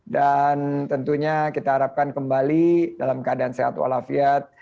dan tentunya kita harapkan kembali dalam keadaan sehat walafiat